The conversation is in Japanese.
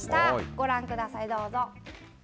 ご覧ください、どうぞ。